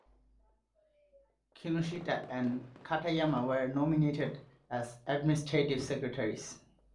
Kinoshita and Katayama were nominated as administrative secretaries.